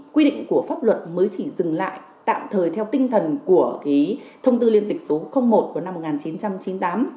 quy định của pháp luật mới chỉ dừng lại tạm thời theo tinh thần của thông tư liên tịch số một của năm một nghìn chín trăm chín mươi tám